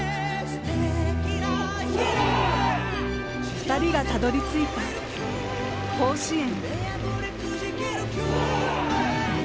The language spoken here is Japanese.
２人がたどり着いた甲子園。